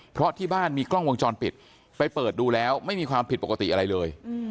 เพราะที่บ้านมีกล้องวงจรปิดไปเปิดดูแล้วไม่มีความผิดปกติอะไรเลย